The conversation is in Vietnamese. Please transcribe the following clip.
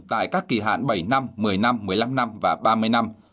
tại các kỳ hạn bảy năm một mươi năm một mươi năm năm và ba mươi năm